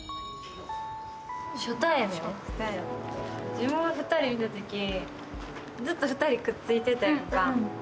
自分は２人見たときずっと２人、くっついてたやんか。